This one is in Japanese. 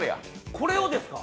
これをですか？